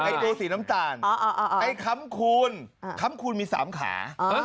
ไอ้จูสีน้ำตาลไอ้คัมคูณคัมคูณมี๓ขา